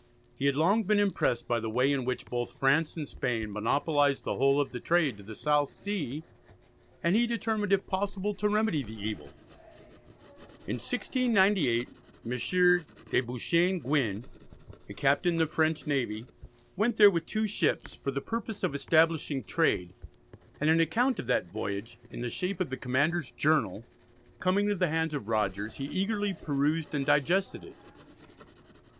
He had long been impressed by the way in which both France and Spain monopolised the whole of the trade to the South Sea, and he determined, if possible, to remedy the evil. In 1698 M. de Beauchesne Gouin, a captain in the French navy, went there with two ships for the purpose of establishing trade, and an account of that voyage, in the shape of the commander's "Journal" coming into the hands of Rogers, he eagerly perused and digested it.